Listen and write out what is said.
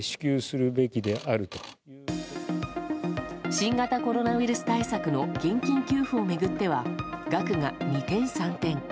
新型コロナウイルス対策の現金給付を巡っては額が二転三転。